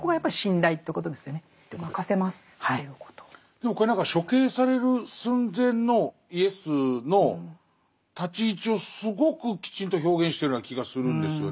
でもこれ何か処刑される寸前のイエスの立ち位置をすごくきちんと表現してるような気がするんですよね。